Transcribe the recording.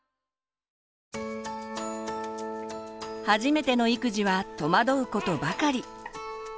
初めての育児は戸惑うことばかり。